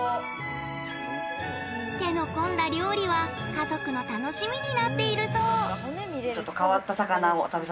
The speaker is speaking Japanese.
手の込んだ料理は家族の楽しみになっているそう。